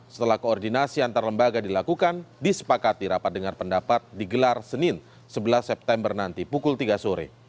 setelah koordinasi antar lembaga dilakukan disepakati rapat dengar pendapat digelar senin sebelas september nanti pukul tiga sore